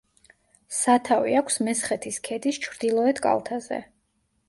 სათავე აქვს მესხეთის ქედის ჩრდილოეთ კალთაზე.